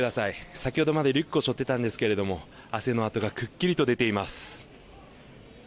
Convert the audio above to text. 先ほどまでリュックを背負っていたんですけど汗の跡がくっきりと出ています。